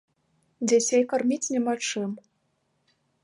Дзяцей карміць няма чым.